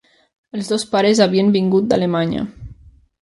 Els dos pares havien vingut d'Alemanya.